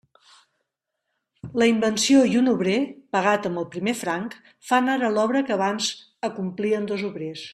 La invenció i un obrer, pagat amb el primer franc, fan ara l'obra que abans acomplien dos obrers.